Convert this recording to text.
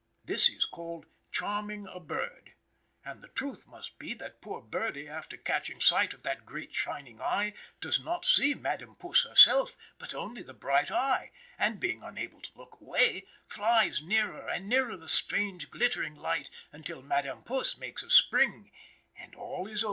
This is called "charming a bird." And the truth must be that poor birdie, after catching sight of that great, shining eye, does not see Madame Puss herself, but only the bright eye, and being unable to look away, flies nearer and nearer the strange, glittering light, until Madame Puss makes a spring, and all is over.